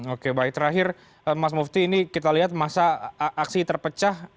oke baik terakhir mas mufti ini kita lihat masa aksi terpecah